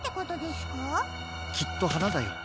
きっとはなだよ。